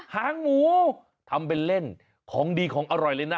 หางหมูทำเป็นเล่นของดีของอร่อยเลยนะ